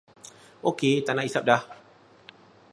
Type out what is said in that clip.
Okey taknak hisap dah.